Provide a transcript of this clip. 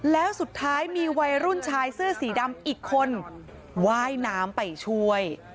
แล้วสุดท้ายมีวัยรุ่นชายเสื้อสีดำอีกคนว่ายน้ำไปช่วย